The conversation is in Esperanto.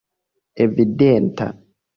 evidenta